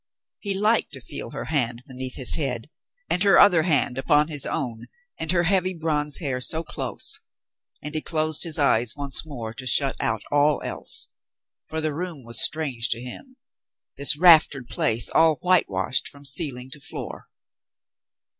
He liked to feel her hand beneath his 174 The Mountain Girl head and her other hand upon his own, and her heavy bronze hair so close, and he closed his eyes once more to shut out all else, for the room was strange to him — this raftered place all whitewashed from ceiling to floor.